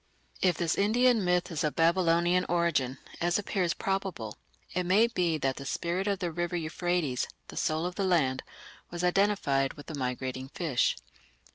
If this Indian myth is of Babylonian origin, as appears probable, it may be that the spirit of the river Euphrates, "the soul of the land", was identified with a migrating fish.